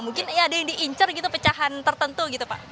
mungkin ada yang diincar gitu pecahan tertentu gitu pak